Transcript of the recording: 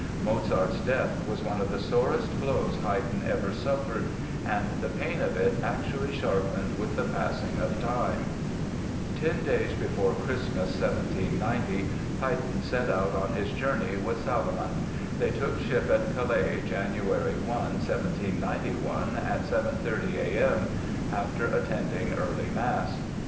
Mozart's death was one of the sorest blows Haydn ever suffered, and the pain of it actually sharpened with the passing of time. Ten days before Christmas, 1790, Haydn set out on his journey with Salomon. They took ship at Calais, January 1, 1791, at 7:30 A.M. ("after attending early Mass").